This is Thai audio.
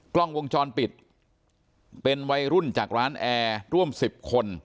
กล้องวงจรปิดเป็นวัยรุ่นจากร้านแอร์ร่วม๑๐คน